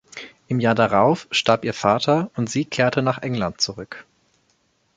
Im Jahr darauf starb ihr Vater und sie kehrte nach England zurück.